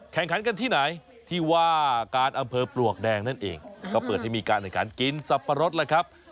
แข่งขันกันที่ไหนที่ว่าการอำเภอปลวกแดงนั่นเองก็เปิดให้มีการแข่งขันกินสับปะรดแล้วครับ